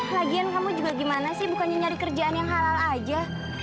lagian kamu juga gimana sih bukannya nyari kerjaan yang halal aja